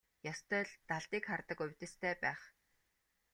Ёстой л далдыг хардаг увдистай байх.